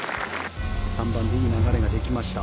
３番でいい流れができました。